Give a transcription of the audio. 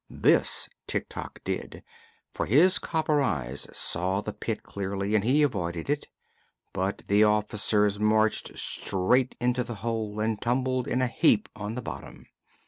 This Tik Tok did, for his copper eyes saw the pit clearly and he avoided it; but the officers marched straight into the hole and tumbled in a heap on the bottom.